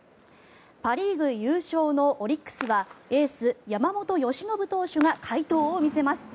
パ・リーグ優勝のオリックスはエース、山本由伸投手が快投を見せます。